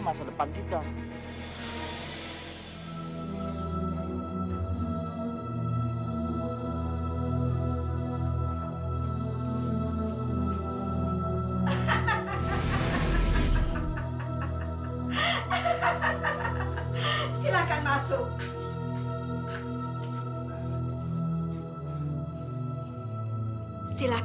masa depankah di sini sama salah